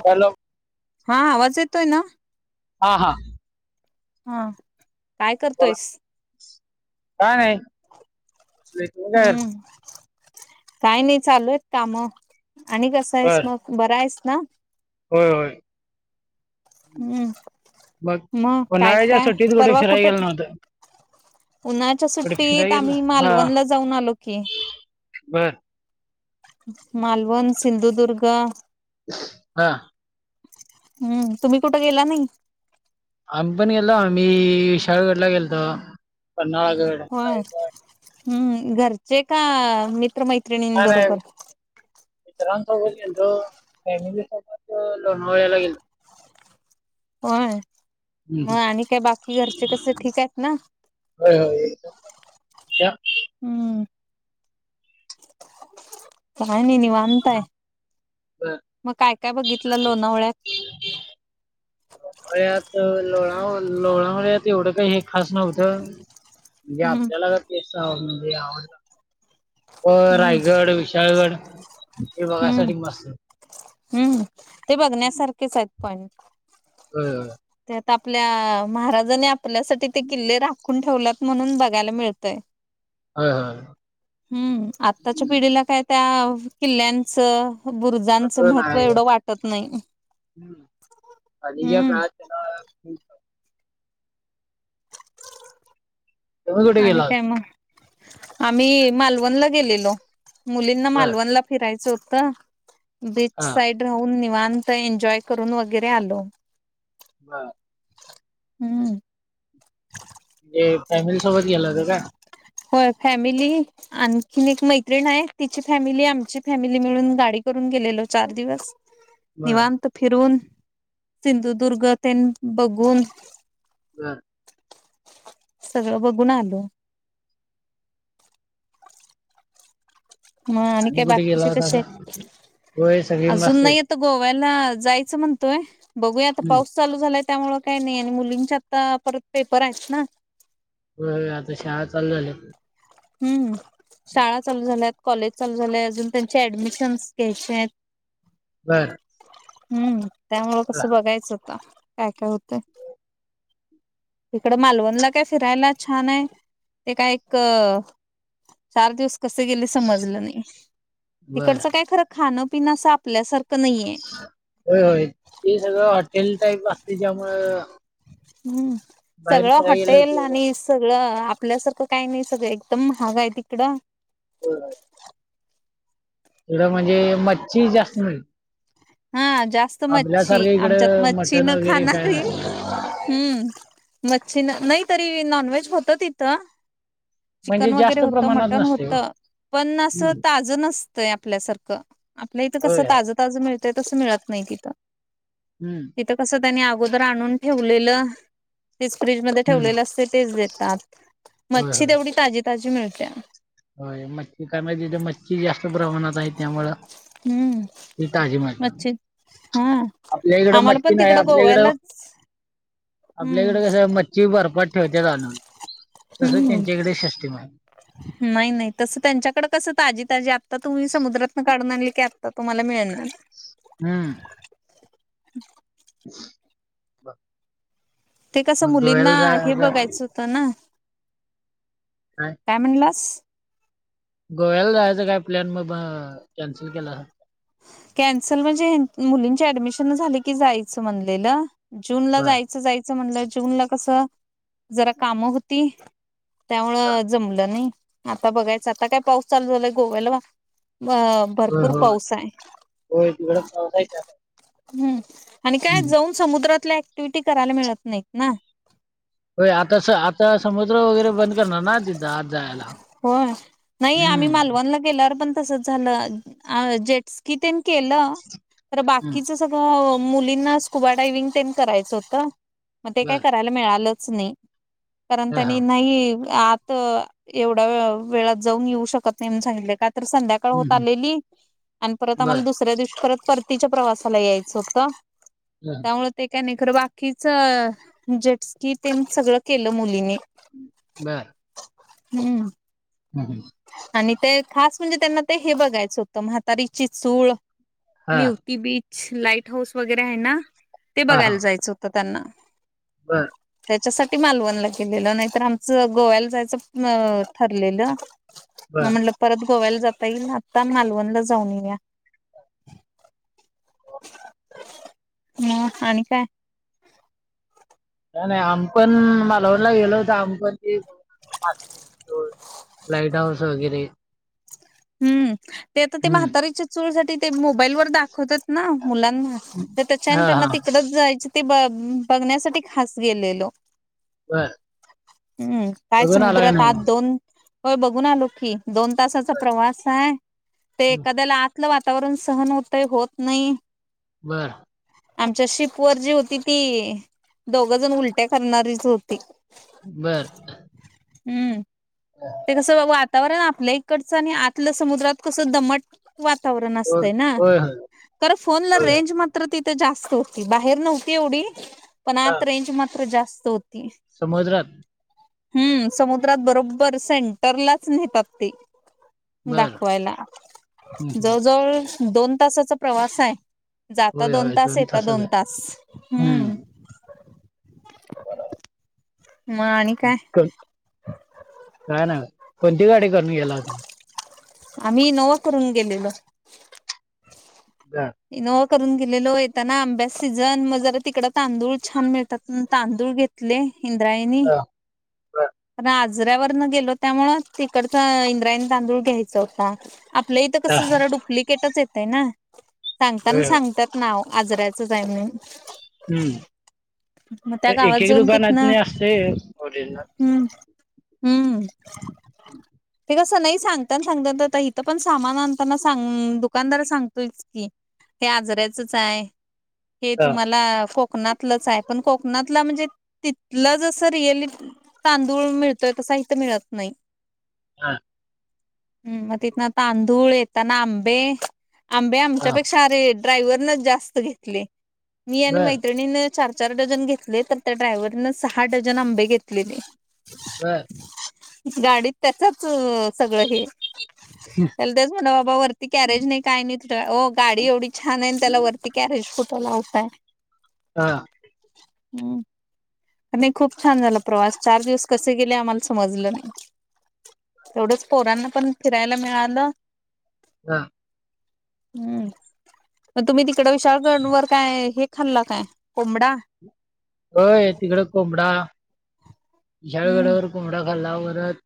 Hello हा आवाज येतोय ना हा हा हा काय बोला. करतोयस काय नाही [inaudible] हम्म. काय नाही चालूयेत काम आणि कसा आहेस बर मग बरं आहेस ना होय होय हम्म. मग काय उन्हाळ्याच्या काय सुट्टीत कुठे फिराय गेलं नव्हतं. उन्हाच्या कुठे फिरायला सुट्टीत गेलं आम्ही हा मालवणला जाऊन आलो की बर मालवण सिंधुदुर्ग हा हम्म तुम्ही कुठे गेला नाही. आम्ही पण गेलो आम्ही विशाळगडला गेलतो. पन्हाळागड होय रायगड हम्म घरचे का मी नाही नाही मित्रांसोबत गेलतो. फॅमिली सोबत लोनावळ्याला गेलो. होय मग आणि काय बाकी घरचे कसे ठीक आहेत ना होय होय एकदम भारी तुझ्या हम्म. नाही नाही निवांताय बर. मग काय काय बघितलं लोणावळ्यात [inaudible] आत लोणाव लोणावळ्यात एवढं काही हे खास नव्हतं. म्हणजे हम्म आपल्याला का तेस म्हणजे आवडलं. अ हम्म रायगड विशाळगड हे हम्म. बघायसाठी मस्त हम्म ते बघण्यासारखेच आहेत पण होय होय आता आपल्या महाराजानी आपल्यासाठी ते किल्ले राखून ठेवल्यात म्हणून बघायला मिळतय. होय होय. हम्म. आत्ताच्या पिढीला काय. त्या किल्ल्यांच बुरु ज च महत्व एवढं वाटत नाही. हं. आधीच्या हम्. काळात [unintelligible] तुम्ही कुठे आणि गेला होता? काय मग? आम्ही मालवणला गेलेलो. मुलींना बर मालवणला फिरायचं होतं बीच हा साईड राहून निघ व एन्जॉय करून वगैरे आलो. हा. हम्म. म्हणजे फॅमिली सोबत गेल का काय? होय. फॅमिली आणखीन एक मैत्रिण हाय तिची फॅमिली. आमची फॅमिली मिळून गाडी कर - - ून गेलेलो चार दिवस. बर निवांत फिरून सिंधुदुर्ग तेन बघून हम. सगळं बघून आलो. ह आणि काय कुठे गेला बाकीचे होता कसे का? आहे होय सगळी अजून मस्त आहेत. नाही येत गोव्या - - च म्हणतोय बघूया आता हम्म. पाऊस चालू झाला - - त्यामुळेळ काही नाही आणि मुलींचे आता परत पेपर आहेत ना. होय. आता शाळा चालू झाल्यात. हम्म. शाळा चालू झाल्यात. कॉलेज चालू झालयं. अजून त्यांचे ऍडमिशन्स घ्यायचे आहेत. बर. हम्म. त्यामुळ कसं बघायचं आता काय काय होतंय. इकड मालवणला काय फिरायला छान आहे ते काय एक चार दिवस कसे गेले समजलं नाही. बर तिकडचं काय खरं खाणंपिणं असं आपल्यासारखं नाहीय. होय होय. ते सगळं हॉटेल टाईप असते त्यायामुळ हम्म. सगळं गेल्यावर हॉटेल आणि तेवढं सगळं आपल्यासारखं काही नाही सगळं एकदम महाग आहे तिकडं हो. एवढं म्हणजे मच्छी जास्त मिळे हा जास्त मच्छी आमच्यात इकडं मच्छी मटण न वगैरे काय खाणारी - नसतं - हम्म. मच्छीन नाही तरी नॉनव्हेज होत इथं. म्हणजे चिकन वगैरे जास्त होत. प्रमाणात मटन नसते हो. होत. पण असं हम्म. ताजं नसतंय आपल्यासारखं आपल्या इथं कसं होय होय. ताजं ताजं मिळत - - यं तस मिळत नाही तिथं, हम्म. तित कस - - त्यांनी अगोदर आणून ठेवलेलं. तेच फ्रीज मध्ये हम्म. ठेवलेलं असतेय तेच देतात मच्छी तेवढी ताजी ताजी मिळत्या. हो मच्छी काय [unintelligible] मच्छी जास्त प्रमाणात आहे. त्यामुळं हम्म ती ताजी मिळतीया. मच्छी हा आपल्या इकडं आम्हाला मच्छी पण नाही. तिकडं आपल्या इकडं गोव्यालाच हम्म आपल्याकडे कसं मच्छी बरपात ठेवत्यात आनुन. तस हम्म त्यांच्याकडे शिष्टीम हाय. नाही. नाही. तस त्यांच्याकडे कस ताजी ताजी आता तुम्ही समुद्रातन काढून आणली आता तुम्हाला मिळणार. ह. बर. ते कसं मुलींना हे बघायचं होतं ना. काय म्हणलास? गोव्याला जायचं काय प्लॅन मग बा कॅन्सल केला. कॅन्सल म्हणजे मुलींची ऍडमिशन झाली की जायचं म्हणलेलं. जूनला बर जायचं जायचं म्हणलं जूनला कसं जरा कामं होती. त्यामुळे जमलं नाही आता बघायचं आता काय पाऊस चालू झालाय गोव्याला अ होय भरपूर होय पाऊस आहे. होय, तिगड़ी पौस आय, त्या हम्म, आणि काय जाऊन समुद्रातल्या ऍक्टिव्हटी करायला मिळत नाहीत ना होय,, आता, आता समुद्र वगैरे बंद करणार ना तिथं आत जायाला. होय नाही आम्ही मालवणला गेल्यावर पण तसच झालं, जेटस कि केलं, तर हम्म बाकीच सगळ मुलींना स्कुबा डायविंग तन करायचं हुतं. मग ते काय बर करायला मिळालंच नाही कारण हा हा त्यांनी नाही आत. एवढ्या वेळात जाऊन येऊ शकत नाही, सांगले का? तर संध्याकाळ हम्म होत हम्म आलेली, आणि परत बर आम्हाला दुसऱ्या दिवशी परत परतीच्या प्रवासाला यायचं होत हा त्यामुळे ते काय? खरं बाकीच जेटस की तन सगळं केलं मुलींनी बरं. हम्म. बागल [inaudible] आणि ते खास म्हणजे त्यांना ते हे बघायचं होतं म्हातारीची चूळ, हा निवती बीच लाईट हाऊस वगैरे आहे ना,, ते हा हा बघायला जायचं होतं त्यांना. बर त्याच्यासाठी मालवणला गेलेलं नाहीतर आमचं गोव्याला जायचं ठरलेलं. म बर म्हणलं परत गोव्याला जाता ईल आता मालवणला जाऊन येया मआणि काय? काय नाही, आमी पण मलवनला गेलो होतो आमी पण ते चुळ लाईट हाऊस वगैरे हम्म, ते आता ते हम्म म्हातारीच्या चूड साठी ते मोबाईलवरर दाखवतात ना मुलांना तर त्याच्या हा त्यांना हा तिक जायच ते ब बघण्यासाठी खास गेलेलो. बर हम्म, काय बघून आला का समुद्रात नाही आज दोन होय बघून आलो की,, दोन तासाचा प्रवास आहे ते एखाद्याला आ लं वातावरण सहन होतय, होत नाही. बर. आमच्या शिप वर जी होती, ती दोघ जण उलट्या करणारीच होती. बर. हम्म, ते कसं बघू आ. आवरण आपल्या इकडचं आणि आतलं समुद्रात कसं दमट. वातावरण होय असतय ना होय होय खरं फोनला होय रेंज मात्र त जास्त होती, बाहेर नव्हती एवढी, पण हा आत रेंज मात्र जास्त हो. समुद्रात हम्म, समुद्रात बरोबर सेंटरलाच नेतात ते बर दाखवायला, हम्म हम्म जवळ, जवळ दोन तासाचा प्रवास य. जाता होय दोन होय तास, येत तासाच दोन आहे तास, हम्म. मग आणि काय काय नाही, कोणती गाडी करून गेला सुता. आम्ही इनोवा करून गेलेलो बर, इनोवा करून गेलेलो ऐता ना आंब्या सीझन मग जरा तिकड तांदूळ छान मिळतात, तांदूळ घेतले. इंद्रायणी. हा, बर, पण आजऱ्यावर न गेलो त्यामुळं तिकडचं इंद्रायणी तांदूळ घ्यायचा होता. आपलं इथं हा, कसं, जरा डुप्लिकेटच येतय ना. सांगताना होय, होय. सांगतात नाव, आजरायचंच आय मनुन हम्म, मग तर त्या गावात एक, एक जाऊन दुकानात तिथनं नी असतय ओरिजनल. हम्म, हम्म, ते कस नाई,, सांगतान सांगतात, आता इिथं पण सामान आणताना सांगऽऽ दुकानदार सांगतोयच किऽऽ हे आजराचच आह,, हे हा, तुम्हाला कोऽऽ कोकणातलंच आय,, पण कोकणातलं म्हणजे तिथलं जसं रिअलिऽऽ तांदूळ मिळतोय त साहित्य मिळत नाही हा हम मग तिथ ना तांदूळ येताना आंबे आंबे हा. आमच्यापेक्षा अरे ड्रायव्हरन जास्त घेतले मी आणि बर मैत्रिणीन चार चार डझन घेतले तर त्या ड्रायव्हरने सहा डजन आंबे घेतलेले बर गाडीत त्याचच सगळं हे ल तेच म्हणा बाबा वरती कॅरेज नाही काय नाही गाडी एवढी छान आहे त्याला वरती कॅरेज कुठं लावतय हा हम् नाही खूप छान झाला प्रवास चार दिवस कसे गेले आम्हाला समजलं नाही तेवढंच पोरांना पण फिरायला मिळालं हा हम्म मग तुम्ही तिकड विशाळगण वर काय हे खाल्ला काय कोंमडा हो तिकडे कोंबडा हम्म विशाळगडावर कोंबडा लावरत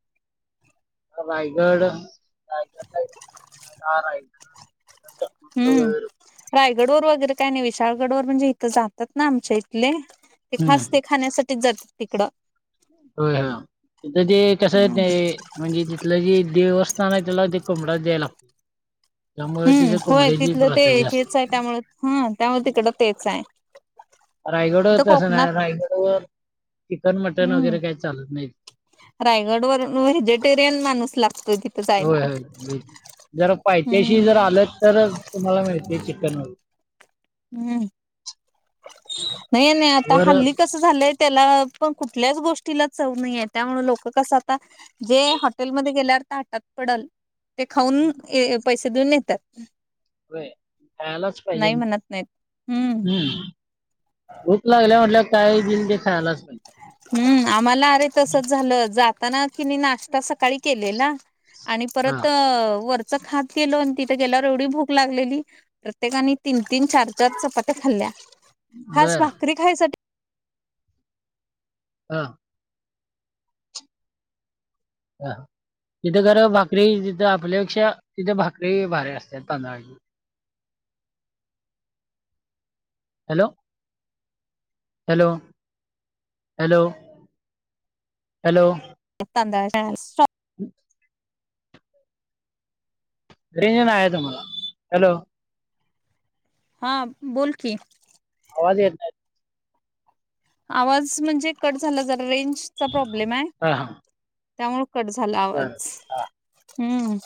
रायगड रायगड हा, हम्म वगैरे. रायगड वर वगैरे काय नाही विशाळगड वर म्हणजे इथं जातात ना आमच्या इथले ते हम्म, खास ते खाण्यासाठीच जातात तिकडं हो हा त ते कसं आहे ते म्हणजे तिथलं जे देवस्थान आहे त्याला ते क जला हम्म होय तिथलं ते जास्त हेच आहे त्यामुळे हम त्यामुळे तिकडं तेच आहे रायगड इथं तसं कोकणात नाही रायगड वर चिकन मटन हम्म वगैरे काय चालत नाही रायगड वरून व्हेजिटेरियन माणूस लागतोय तिथं होय जायला होय व्हेज जर पैथ्याशी हम्म. जर आलं तर तुम्हाला मिळते चिकन व हम् नाही नाही आता वर हल्ली होय कस झालंय त्याला पण कुठल्याच गोष्टी हच च नाहीे त्यामु लोक कस आता जे हॉटेलमध्ये गेल्यावर तर हटात पडल ते खाऊन पैसे देऊन येतात वे खळालाच पाहिजे नाही म्हणत नाहीत. हम्म भूक लागल्या म्हटल्या काय बिल तेे खायला असते हम्म आम्हाला अरे तसच झालं जात ता ना तिने नाश्ता सकाळी केलेला आणि हा परत वरच खात केलं त गेल्यावर एवढी भूक लागलेली प्रत्येकानी तीन तीन चार चार चपात्या खाल्ल्या खास बर भाकरी खायसाठी हा हा तिथं खरं भाकरी तिथं आपल्यापेक्षा तिथे भाकरी भारी असतात पांदळाची हॅलो हॅलो हॅलो हॅलो तांदळाच्या रेंज नाही आहे तुम्हाला हॅलो... हा बोलकी... आवाज येत नाही... आवाज म्हणजे कट झाला जरा रेंज चा प्रॉब्लेम आहे हा हा त्यामुळे... कट झाला आवाज... बरं हम्म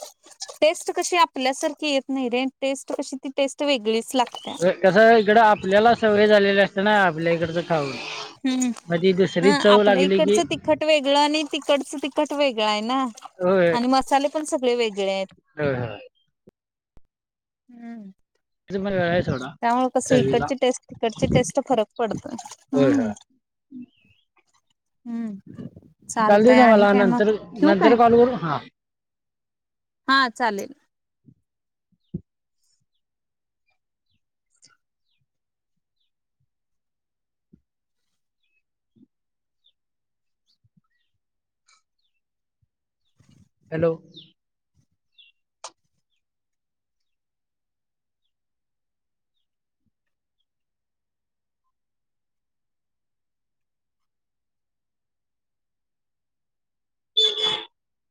टेस्ट कशी आपल्यासारखी येत नाही रे टेस्ट कशी ती टेस्ट वेगळीच.... लागते कस इकडं आपल्याला सवय झालेली असत ना आपल्या इकडच... हम्म.. हं चव आपल्या लागली की इकडचं तिखट वेगळं आणि तिकडचं तिखट वेगळं आहे ना.... होय आणि मसाले पण सगळे वेगळे आहेत होय होय हम्म. त्याचं पण वेळ आहे सोडा त्यामुळे कस चवीला इकडची टेस्ट तिकडची टेस्ट फरक पडत होय हम्म. होय हम्म. चालते चालतय आणि तुम्हाला काय मग नंतर ठेऊ काय... नंतर कॉल करू हा हा चालेल... हॅलो.... [unintelligible] [unintelligible]